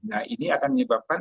nah ini akan menyebabkan